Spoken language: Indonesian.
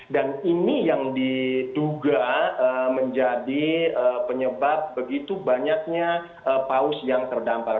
dan ini yang dituga menjadi penyebab begitu banyaknya paus yang terdampar